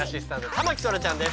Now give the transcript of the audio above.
田牧そらちゃんです。